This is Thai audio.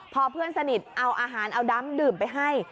พอเพื่อนสนิทเอาอาหารเอาดำดื่มไปให้